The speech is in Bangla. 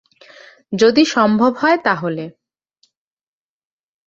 যদি সম্ভব হয় তাহলে।